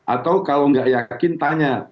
atau kalau nggak yakin tanya